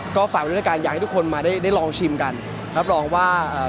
ก็ฝากไว้ด้วยกันอยากให้ทุกคนมาได้ได้ลองชิมกันรับรองว่าเอ่อ